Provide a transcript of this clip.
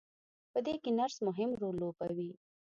په دې کې نرس مهم رول لوبوي.